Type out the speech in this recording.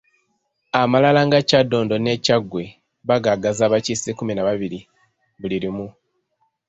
Amalala nga Kyaddondo n'e Kyaggwe bagaagaza abakiise kkumi na babiri buli limu.